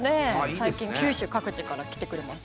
最近九州各地から来てくれます。